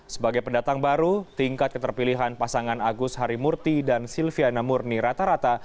sebagai pendatang baru tingkat keterpilihan pasangan agus harimurti dan silviana murni rata rata